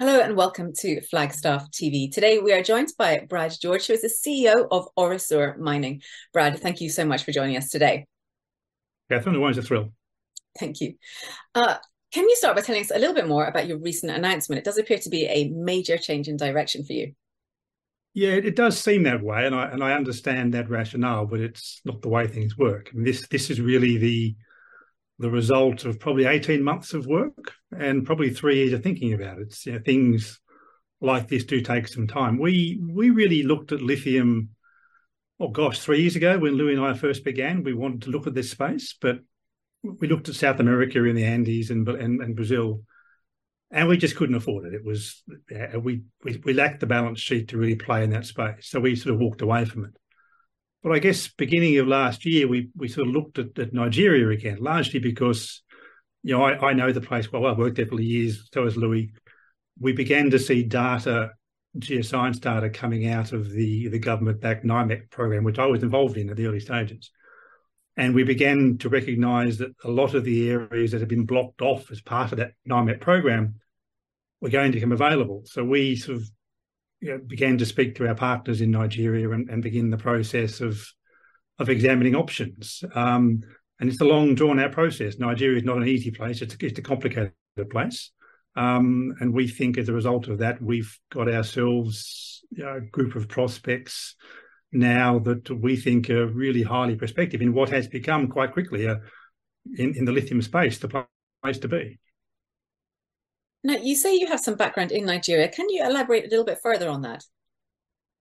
Hello, and welcome to Flagstaff TV. Today, we are joined by Brad George who is the CEO of Orosur Mining. Brad, thank you so much for joining us today. Catherine, always a thrill. Thank you. Can you start by telling us a little bit more about your recent announcement? It does appear to be a major change in direction for you. Yeah, it does seem that way, and I understand that rationale, but it's not the way things work. I mean, this is really the result of probably 18 months of work, and probably 3 years of thinking about it. Things like this do take some time. We really looked at lithium three years ago when Louis and I first began. We wanted to look at this space, but we looked at South America and the Andes and Brazil, and we just couldn't afford it. It was. We lacked the balance sheet to really play in that space, so we sort of walked away from it. I guess beginning of last year we sort of looked at Nigeria again, largely because, you know, I know the place well. I worked there for years. Has Louis. We began to see data, geoscience data coming out of the government-backed NIMEP program, which I was involved in at the early stages. We began to recognize that a lot of the areas that had been blocked off as part of that NIMEP program were going to come available. We sort of, you know, began to speak to our partners in Nigeria and begin the process of examining options. It's a long, drawn-out process. Nigeria is not an easy place. It's a complicated place. We think as a result of that we've got ourselves, you know, a group of prospects now that we think are really highly prospective in what has become quite quickly in the lithium space, the place to be. Now, you say you have some background in Nigeria. Can you elaborate a little bit further on that?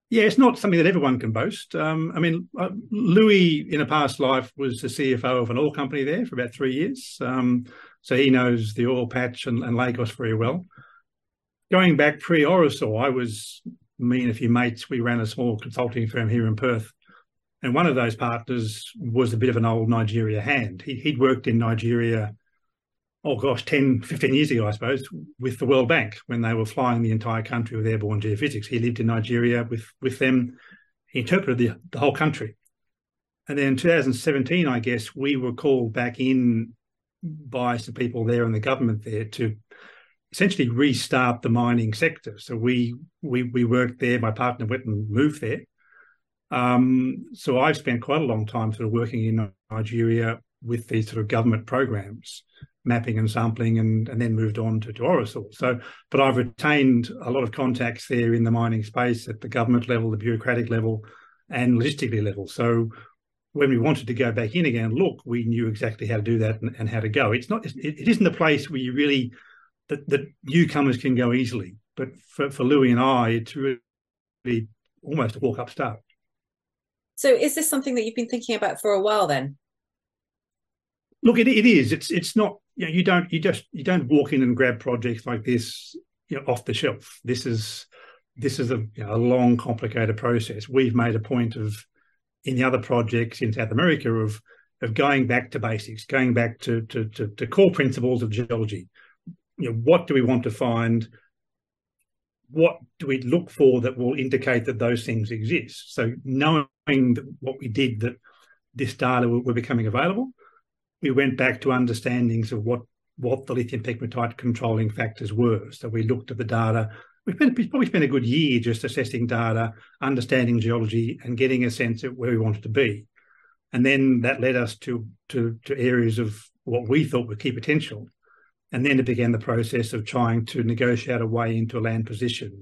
Yeah. It's not something that everyone can boast. I mean, Louis in a past life was the CFO of an oil company there for about three years. So he knows the oil patch and Lagos very well. Going back pre-Orosur, I was, me and a few mates, we ran a small consulting firm here in Perth, and one of those partners was a bit of an old Nigeria hand. He'd worked in Nigeria, oh gosh, 10, 15 years ago I suppose, with the World Bank when they were flying the entire country with airborne geophysics. He lived in Nigeria with them. He interpreted the whole country. In 2017, I guess, we were called back in by some people there in the government there to essentially restart the mining sector. We worked there. My partner went and moved there. I've spent quite a long time sort of working in Nigeria with these sort of government programs, mapping and sampling and then moved on to Orosur. I've retained a lot of contacts there in the mining space at the government level, the bureaucratic level, and logistics level. When we wanted to go back in again and look, we knew exactly how to do that and how to go. It isn't a place that newcomers can go easily, but for Louis and I, it's really almost a walk-up start. Is this something that you've been thinking about for a while then? Look, it is. It's not. You know, you don't walk in and grab projects like this, you know, off the shelf. This is a long, complicated process. We've made a point of, in the other projects in South America, of going back to basics, going back to core principles of geology. You know, what do we want to find? What do we look for that will indicate that those things exist? Knowing that what we did, that this data were becoming available, we went back to understandings of what the lithium pegmatite controlling factors were. We looked at the data. We probably spent a good year just assessing data, understanding geology, and getting a sense at where we wanted to be. That led us to areas of what we thought were key potential, and then to begin the process of trying to negotiate a way into a land position.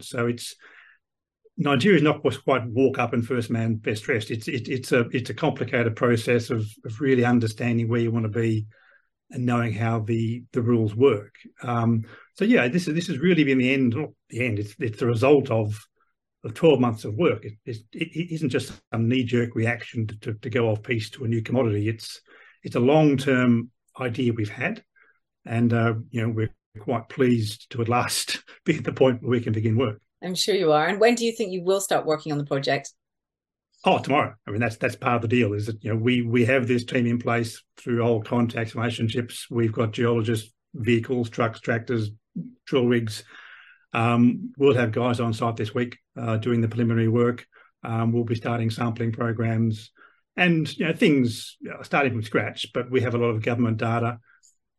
Nigeria is not quite walk up and first man, best dressed. It's a complicated process of really understanding where you want to be and knowing how the rules work. Yeah, this has really been the result of 12 months of work. It isn't just a knee-jerk reaction to go off piste to a new commodity. It's a long-term idea we've had and you know, we're quite pleased to at last be at the point where we can begin work. I'm sure you are. When do you think you will start working on the project? Oh, tomorrow. I mean, that's part of the deal is that, you know, we have this team in place through old contacts, relationships. We've got geologists, vehicles, trucks, tractors, drill rigs. We'll have guys on site this week, doing the preliminary work. We'll be starting sampling programs and, you know, things. You know, starting from scratch, but we have a lot of government data.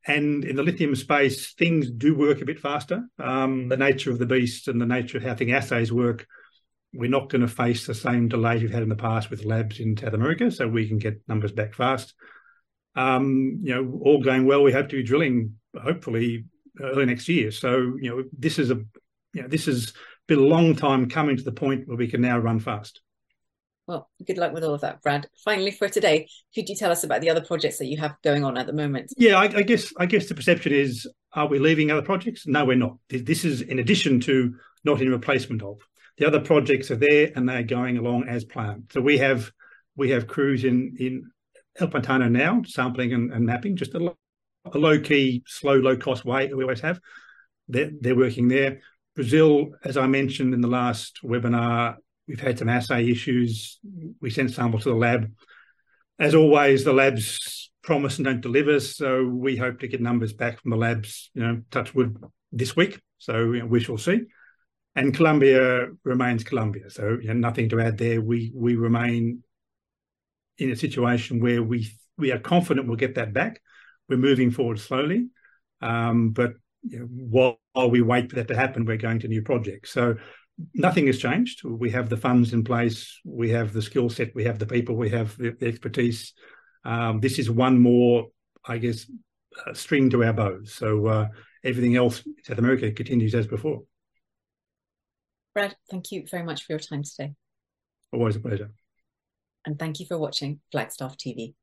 In the lithium space, things do work a bit faster. The nature of the beast and the nature of how things, assays work, we're not gonna face the same delays we've had in the past with labs in South America, so we can get numbers back fast. You know, all going well, we hope to be drilling hopefully early next year. You know, this is a. You know, this has been a long time coming to the point where we can now run fast. Well, good luck with all of that, Brad. Finally for today, could you tell us about the other projects that you have going on at the moment? Yeah. I guess the perception is, are we leaving other projects? No, we're not. This is in addition to, not in replacement of. The other projects are there and they're going along as planned. We have crews in El Pantano now sampling and mapping, just a low-key, slow, low-cost way that we always have. They're working there. Brazil, as I mentioned in the last webinar, we've had some assay issues. We sent a sample to the lab. As always, the labs promise and don't deliver, so we hope to get numbers back from the labs, you know, touch wood, this week. You know, we shall see. Colombia remains Colombia, so, you know, nothing to add there. We remain in a situation where we are confident we'll get that back. We're moving forward slowly. You know, while we wait for that to happen, we're going to new projects. Nothing has changed. We have the funds in place. We have the skill set. We have the people. We have the expertise. This is one more, I guess, string to our bow. Everything else, South America continues as before. Brad, thank you very much for your time today. Always a pleasure. Thank you for watching Flagstaff TV.